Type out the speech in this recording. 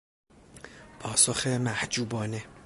پاسخ محجوبانه